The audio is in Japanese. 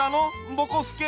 ぼこすけ。